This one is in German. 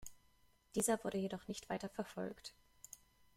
Dieser wurde jedoch nicht weiter verfolgt.